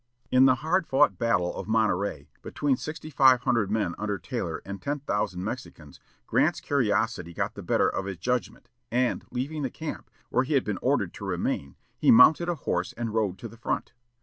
In the hard fought battle of Monterey, between sixty five hundred men under Taylor and ten thousand Mexicans, Grant's curiosity got the better of his judgment, and, leaving the camp, where he had been ordered to remain, he mounted a horse and rode to the front.